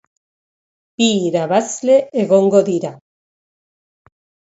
Bi irabazle egongo dira.